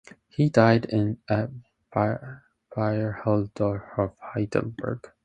He died at Bierhelderhof, Heidelberg.